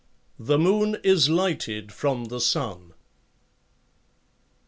The moon is lighted from the sun.